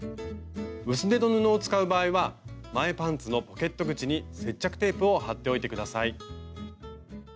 薄手の布を使う場合は前パンツのポケット口に接着テープを貼っておいて下さい。